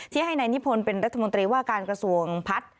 ให้นายนิพนธ์เป็นรัฐมนตรีว่าการกระทรวงพัฒน์